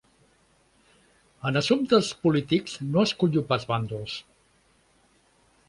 En assumptes polítics, no escullo pas bàndols.